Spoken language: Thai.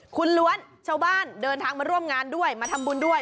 คุณล้วนชาวบ้านเดินทางมาร่วมงานด้วยมาทำบุญด้วย